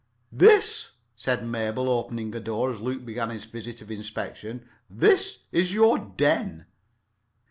"This," said Mabel, opening a door, as Luke began his visit of inspection, "this is your den."